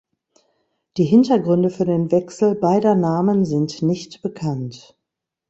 Die Hintergründe für den Wechsel beider Namen sind nicht bekannt.